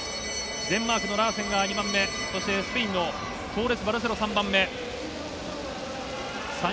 デンマークのラーセンが２番目、そしてスペインのトーレスバルセロ、３番目。